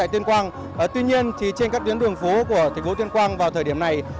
tuy nhiên trên các tuyến đường phố của thành phố tuyên quang vào thời điểm này